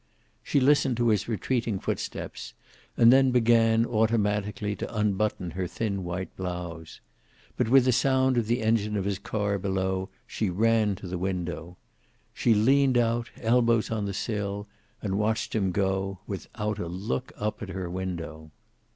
She listened to his retreating footsteps, and then began, automatically to unbutton her thin white blouse. But with the sound of the engine of his car below she ran to the window. She leaned out, elbows on the sill, and watched him go, without a look up at her window.